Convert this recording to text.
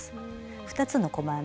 ２つの細編みをね